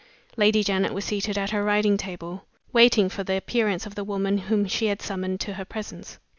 Lady Janet was seated at her writing table, waiting for the appearance of the woman whom she had summoned to her presence.